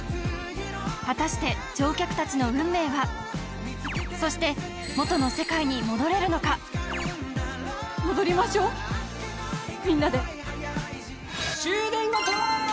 果たして乗客達の運命はそして元の世界に戻れるのか戻りましょうみんなで終電後トーク！